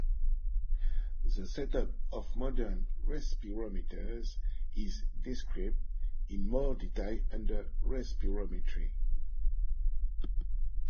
The set up of modern respirometers is described in more detail under respirometry.